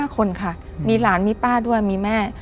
๕คนค่ะมีหลานมีป้าด้วยมีแม่